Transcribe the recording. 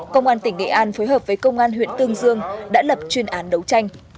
công an tỉnh nghệ an phối hợp với công an huyện tương dương đã lập chuyên án đấu tranh